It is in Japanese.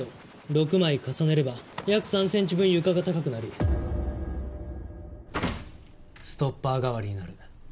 ６枚重ねれば約３センチ分床が高くなりストッパー代わりになる。